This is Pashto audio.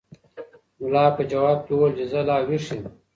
ملا په ځواب کې وویل چې زه لا ویښ یم.